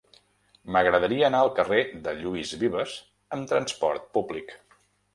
M'agradaria anar al carrer de Lluís Vives amb trasport públic.